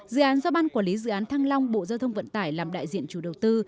dự án do ban quản lý dự án thăng long bộ giao thông vận tải làm đại diện chủ đầu tư